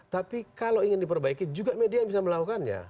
tapi kalau ingin diperbaiki juga media yang bisa melakukannya